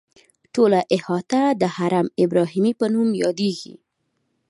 ټوله احاطه د حرم ابراهیمي په نوم یادیږي.